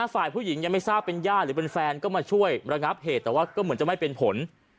ฝ่ายผู้หญิงยังไม่ทราบเป็นย่าหรือเป็นแฟนก็มาช่วยระงับเหตุแต่ว่าก็เหมือนจะไม่เป็นผล